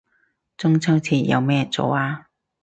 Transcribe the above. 中秋節有咩做啊